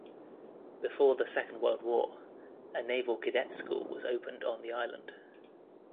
Before the Second World War, a naval cadet school was opened on the island.